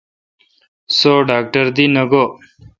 سو ڈاکٹر دی نہ گو° ۔